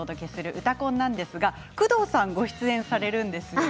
「うたコン」なんですが工藤さんご出演されるんですよね。